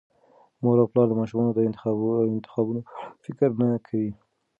مور او پلار د ماشومانو د انتخابونو په اړه فکر نه کوي.